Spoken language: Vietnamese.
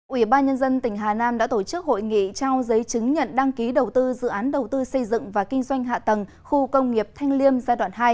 ủy ban nhân dân tỉnh hà nam đã tổ chức hội nghị trao giấy chứng nhận đăng ký đầu tư dự án đầu tư xây dựng và kinh doanh hạ tầng khu công nghiệp thanh liêm giai đoạn hai